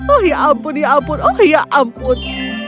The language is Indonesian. oh ya ampun ya ampun